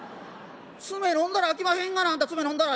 詰め飲んだらあきまへんがなあんた詰め飲んだら。